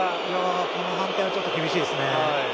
この判定はちょっと厳しいですね。